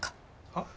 はっ？